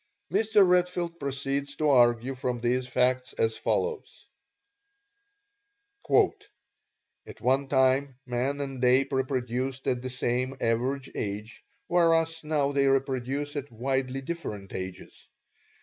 Mr. Redfield proceeds to argue from these facts as follows: "At one time man and ape reproduced at the same average age, whereas now they reproduce at widely different ages.